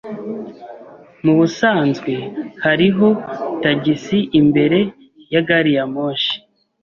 Mubusanzwe hariho tagisi imbere ya gariyamoshi.